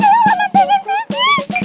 ya allah pengen sisi